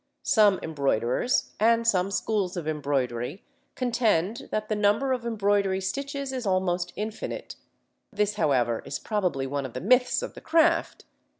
Some embroiderers and some schools of embroidery contend that the number of embroidery stitches is almost infinite. This, however, is probably one of the myths of the craft.